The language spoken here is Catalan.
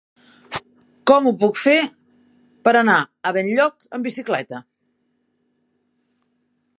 Com ho puc fer per anar a Benlloc amb bicicleta?